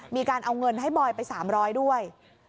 มีการเอาเงินให้บอยไปสามร้อยด้วย